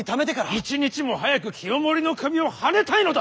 一日も早く清盛の首をはねたいのだ！